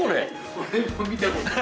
俺も見たことない。